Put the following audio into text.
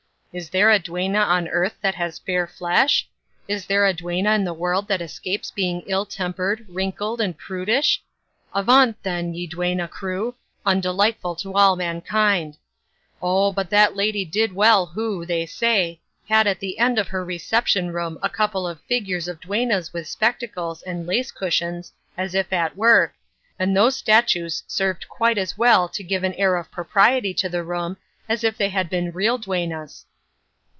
Is there a duenna on earth that has fair flesh? Is there a duenna in the world that escapes being ill tempered, wrinkled, and prudish? Avaunt, then, ye duenna crew, undelightful to all mankind. Oh, but that lady did well who, they say, had at the end of her reception room a couple of figures of duennas with spectacles and lace cushions, as if at work, and those statues served quite as well to give an air of propriety to the room as if they had been real duennas."